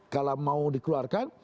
kalau mau dikeluarkan